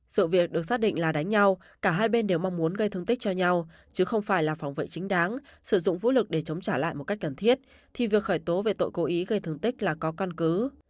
sự việc được xác định là đánh nhau cả hai bên đều mong muốn gây thương tích cho nhau chứ không phải là phòng vệ chính đáng sử dụng vũ lực để chống trả lại một cách cần thiết thì việc khởi tố về tội cố ý gây thương tích là có căn cứ